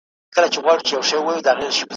محصل نسي کولای چي بې له لارښوده ښه څېړنه وکړي.